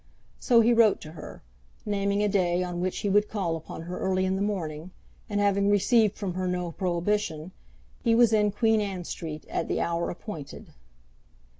So he wrote to her, naming a day on which he would call upon her early in the morning; and having received from her no prohibition, he was in Queen Anne Street at the hour appointed.